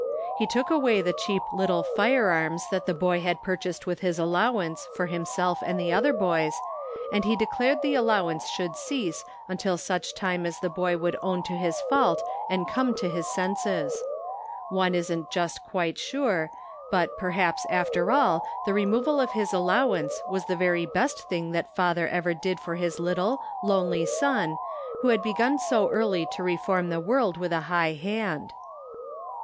He took away the cheap little fire arms that the boy had purchased with his allowance for himself and the other boys, and he declared the allowance should cease until such time as the boy would own to his fault and come to his senses. One isn't just quite sure, but, perhaps after all, the removal of his allowancfe was the very best thing that father ever did for his little, lonely son who had begun so early to reform the world with a high hand.